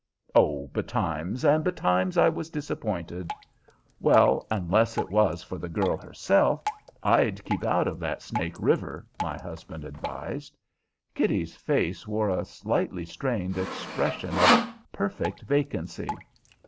"Oh, betimes; and betimes I was disappointed." "Well, unless it was for the girl herself, I'd keep out of that Snake River," my husband advised. Kitty's face wore a slightly strained expression of perfect vacancy.